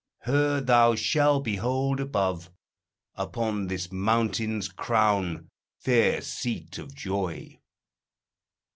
Her thou shalt behold above, Upon this mountain's crown, fair seat of joy."